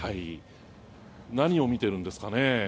何を見てるんですかね。